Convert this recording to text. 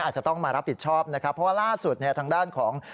อาจจะต้องมารับผิดชอบนะครับเพราะว่าล่าสุดเนี่ยทางด้านของ